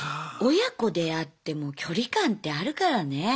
親子であっても距離感ってあるからね。